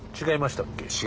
違いましたっけ？